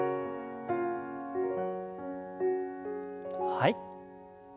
はい。